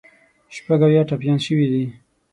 شپږ اویا ټپیان شوي دي.